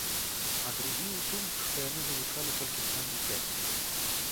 А другі ў тым, што яны вывучалі толькі стан дзіцяці.